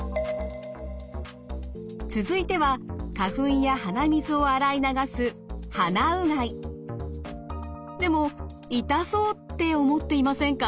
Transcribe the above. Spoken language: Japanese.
続いては花粉や鼻水を洗い流すでも痛そうって思っていませんか？